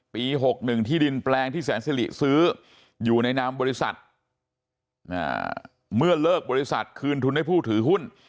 ๖๑ที่ดินแปลงที่แสนสิริซื้ออยู่ในนามบริษัทเมื่อเลิกบริษัทคืนทุนให้ผู้ถือหุ้น